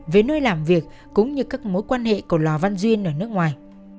về nơi làm việc cũng như các mối quan hệ của lò văn duyên ở nước ngoài